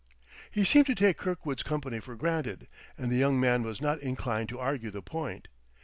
He seemed to take Kirkwood's company for granted; and the young man was not inclined to argue the point.